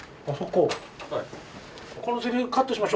あっそこ。